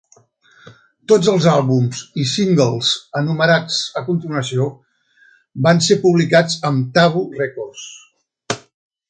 Tots els àlbums i singles enumerats a continuació van ser publicats amb Tabu Records.